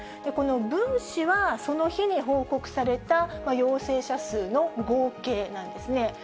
この分子は、その日に報告された陽性者数の合計なんですね。